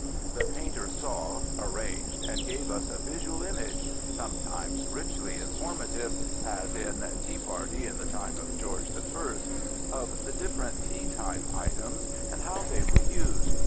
The painter saw, arranged, and gave us a visual image sometimes richly informative, as in Tea Party in the Time of George I (fig. 5) of the different tea time items and how they were used.